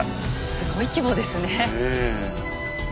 すごい規模ですね。